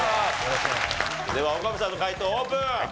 では岡部さんの解答オープン。